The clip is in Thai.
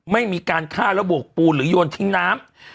ไม่มีการฆ่าระบบปูนหรือโยนทิ้งน้ำ